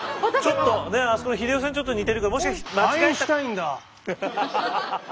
ちょっとねあそこの英世さんにちょっと似てるからもしかして。